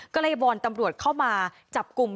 ก็เลยวอนตำรวจเข้ามาจับกลุ่ม